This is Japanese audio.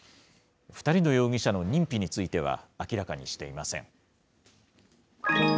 ２人の容疑者の認否については、明らかにしていません。